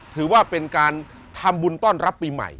ถือว่าเป็นการทำบุญต้อนรับปีใหม่